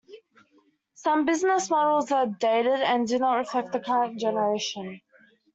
Some business models are dated and do not reflect the current generation.